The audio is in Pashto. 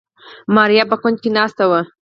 ماريا په کونج کې ناسته وه.